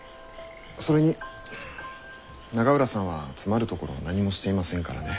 それに永浦さんは詰まるところ何もしていませんからね。